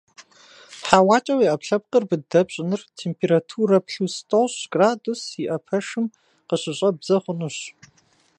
ХьэуакӀэ уи Ӏэпкълъэпкъыр быдэ пщӀыныр температурэ плюс тӀощӀ градус зиӀэ пэшым къыщыщӀэбдзэ хъунущ.